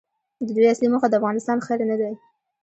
د دوی اصلي موخه د افغانستان خیر نه دی.